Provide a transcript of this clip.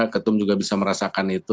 ketum juga bisa merasakan itu